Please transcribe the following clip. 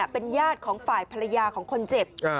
เป็นญาติของฝ่ายภรรยาของคนเจ็บ